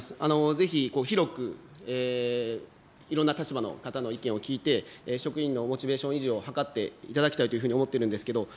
ぜひ広くいろんな立場の方の意見を聞いて、職員のモチベーション維持を図っていただきたいというふうに思ってるんですけど。